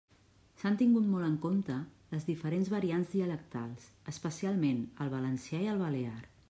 S'han tingut molt en compte les diferents variants dialectals, especialment el valencià i el balear.